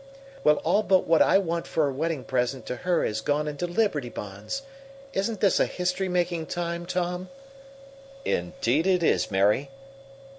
"Well, all but what I want for a wedding present to her has gone into Liberty Bonds. Isn't this a history making time, Tom?" "Indeed it is, Mary!"